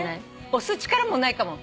押す力もないかも。